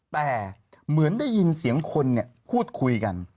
แต่เหมือนได้ยินเสียงคนพูดคุยกัน